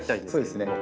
そうですね。